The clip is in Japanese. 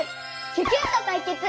キュキュッとかいけつ！